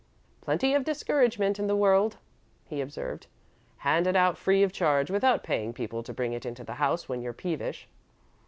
"Plenty of discouragement in the world," he observed, "handed out free of charge, without paying people to bring it into the house when you're peevish."